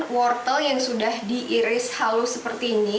wortel yang sudah diiris halus seperti ini